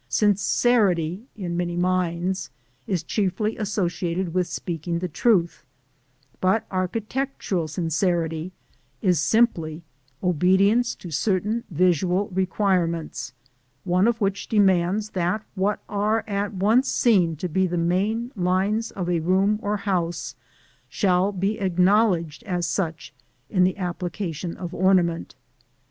] "Sincerity," in many minds, is chiefly associated with speaking the truth; but architectural sincerity is simply obedience to certain visual requirements, one of which demands that what are at once seen to be the main lines of a room or house shall be acknowledged as such in the application of ornament.